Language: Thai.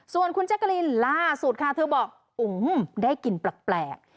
ส่วนคุณแจ๊กกะลินล่าสุดค่ะเธอบอกได้กลิ่นแปลก